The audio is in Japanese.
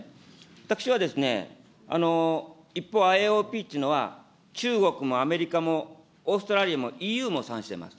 私はですね、一方、ＡＯＩＰというのは、中国もアメリカもオーストラリアもＥＵも参加してます。